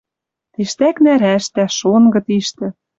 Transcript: Тиштӓк нӓрӓштӓ, шонгы тиштӹ.